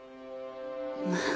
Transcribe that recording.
まあ。